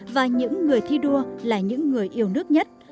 và những người thi đua là những người yêu nước nhất